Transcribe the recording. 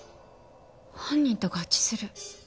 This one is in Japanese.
犯人と合致する。